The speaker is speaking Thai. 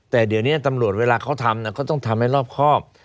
แต่เดี๋ยวนี้ตำรวจเวลาเขาทำเขาต้องทำให้รอบครอบ